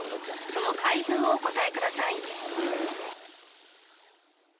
その回文をお答えください。